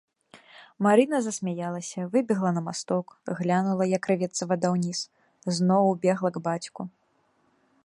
Марына засмяялася, выбегла на масток, глянула, як ірвецца вада ўніз, зноў убегла к бацьку.